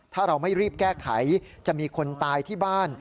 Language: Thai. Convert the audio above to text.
ถ้าเราไม่รีบแก้ไขจะมีคนตายที่บ้าน